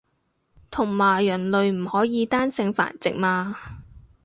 同埋人類唔可以單性繁殖嘛